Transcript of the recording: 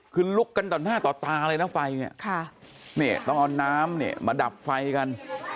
คือลุกกันต่อหน้าต่อตาเลยนะไฟเนี่ยต้องเอาน้ำเนี่ยมาดับไฟกัน